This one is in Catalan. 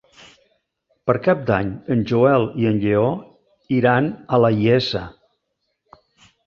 Per Cap d'Any en Joel i en Lleó iran a la Iessa.